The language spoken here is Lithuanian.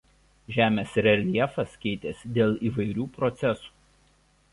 Žemės reljefas keitėsi dėl įvairių procesų.